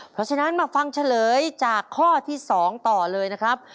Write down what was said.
เพราะฉะนั้นมาฟังเฉลยจากข้อที่๒ต่อเลยนะครับ